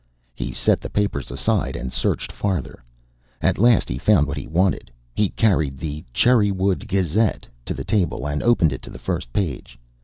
He set the papers aside and searched farther. At last he found what he wanted. He carried the Cherrywood Gazette to the table and opened it to the first page.